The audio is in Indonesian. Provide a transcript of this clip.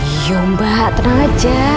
iya mbak tenang aja